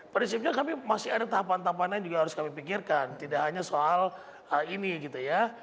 prinsipnya kami masih ada tahapan tahapan lain juga harus kami pikirkan tidak hanya soal ini gitu ya